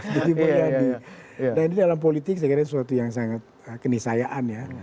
dan ini dalam politik saya kira ini suatu yang sangat kenisayaan ya